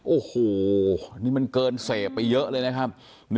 โอ้โหนี่มันเกินเสพไปเยอะเลยนะครับ